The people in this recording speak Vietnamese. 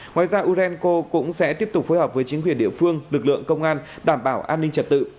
ngoài ra urenco cũng sẽ tiếp tục phối hợp với chính quyền địa phương lực lượng công an đảm bảo an ninh trật tự